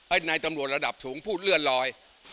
นายตำรวจระดับสูงพูดเลื่อนลอย